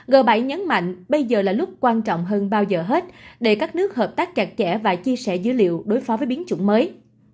g bảy nhấn mạnh bây giờ là lúc quan trọng hơn bao giờ hết để các nước hợp tác chặt chẽ và chia sẻ dữ liệu đối phó với biến chủng mới